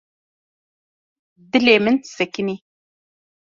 Dilê min sekinî.